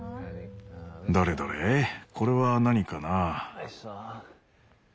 どれどれこれは何かな？